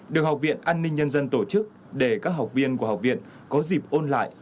được học viện an ninh nhân dân tổ chức để các học viên của học viện có dịp ôn lại